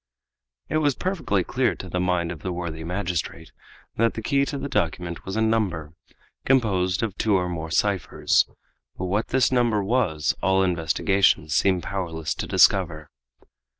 It was perfectly clear to the mind of the worthy magistrate that the key to the document was a number, composed of two or more ciphers, but what this number was all investigation seemed powerless to discover.